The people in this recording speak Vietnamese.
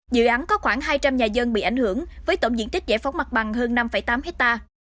dự án có khoảng hai trăm linh nhà dân bị ảnh hưởng với tổng diện tích giải phóng mặt bằng hơn năm tám hectare